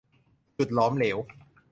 จุดหลอมเหลว